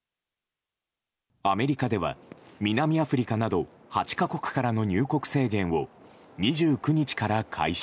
アメリカでは南アフリカなど８か国からの入国制限を２９日から開始。